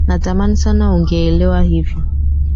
natamani sana ungeelewa hivyo